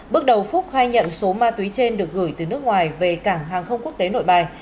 bước đầu phúc khai nhận số ma túy trên được gửi từ nước ngoài về cảng hàng không quốc tế nội bài